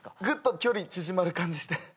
グッと距離縮まる感じして。